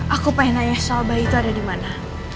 aku pengen nanya sama bayi itu ada di mana